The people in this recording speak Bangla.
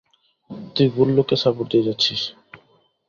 তুই ভুল লোককে সাপোর্ট দিয়ে যাচ্ছিস।